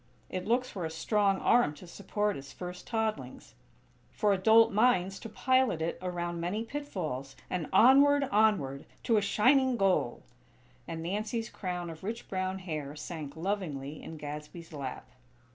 It looks for a strong arm to support its first toddlings; for adult minds to pilot it around many pitfalls; and onward, onward!! To a shining goal!!" and Nancy's crown of rich brown hair sank lovingly in Gadsby's lap.